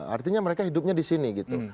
artinya mereka hidupnya di sini gitu